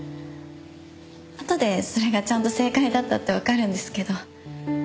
あとでそれがちゃんと正解だったってわかるんですけど。